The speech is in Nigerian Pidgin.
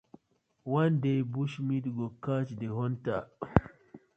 One day bush meat go catch the hunter: